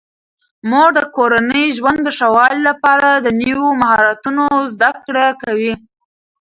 مور د کورني ژوند د ښه والي لپاره د نویو مهارتونو زده کړه کوي.